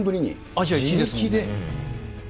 アジア１位ですもんね。